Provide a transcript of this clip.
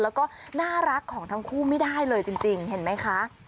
แล้วก็น่ารักของทั้งคู่ไม่ได้เลยจริงเห็นไหมคะ